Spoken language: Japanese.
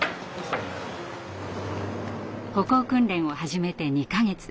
歩行訓練を始めて２か月。